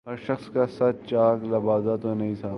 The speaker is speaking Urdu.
ہر شخص کا صد چاک لبادہ تو نہیں تھا